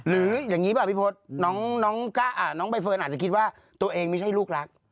หรืออย่างนี้ป่ะพี่พศน้องใบเฟิร์นอาจจะคิดว่าตัวเองไม่ใช่ลูกรัก